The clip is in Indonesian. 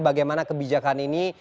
bagaimana kebijakan ini